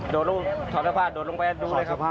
โดดลงไปดูเลยครับ